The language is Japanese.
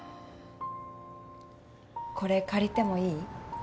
これ借りてもいい？